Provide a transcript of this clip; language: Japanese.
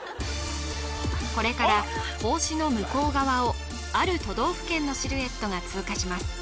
これから格子の向こう側をある都道府県のシルエットが通過します